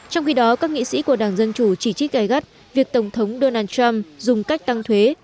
trong khi đó các nghị sĩ của đảng dân chủ chỉ trích gai gắt việc tổng thống donald trump dùng cách tăng thuế